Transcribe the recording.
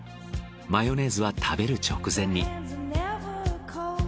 マヨネーズは食べる直前に。